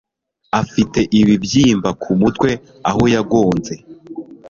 afite ibibyimba ku mutwe aho yagonze.